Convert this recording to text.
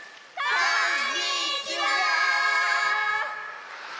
こんにちは！